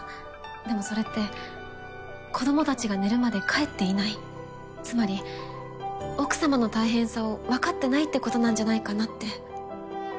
でもそれって子供たちが寝るまで帰っていないつまり奥様の大変さをわかってないってことなんじゃないかなって。